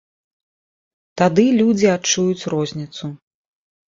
Тады людзі адчуюць розніцу.